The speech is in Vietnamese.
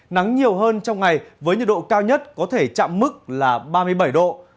nắng nhiều hơn trong ngày với nhiệt độ cao nhất có thể chạm mức là ba mươi bảy độ